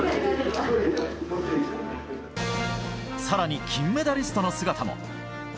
更に金メダリストの姿も。